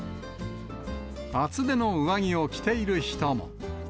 厚手の上着を着ている人も。